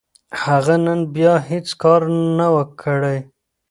هغه نن بيا هيڅ کار نه و، کړی.